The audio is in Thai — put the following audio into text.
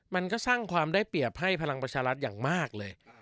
มันก็สร้างความได้เปรียบให้พลังประชารัฐอย่างมากเลย